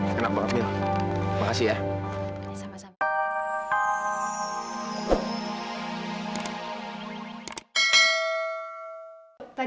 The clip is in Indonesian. terima kasih ya